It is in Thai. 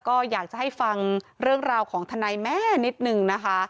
ก็อยากจะให้ฟังเรื่องราวของทนายแม่นิดนึงนะคะ